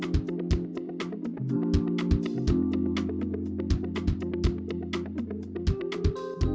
jadi kita harus berdoa untuk mencapai kesempatan